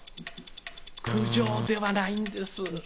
苦情ではないんです。